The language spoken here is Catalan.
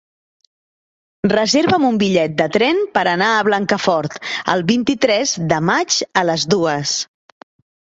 Reserva'm un bitllet de tren per anar a Blancafort el vint-i-tres de maig a les dues.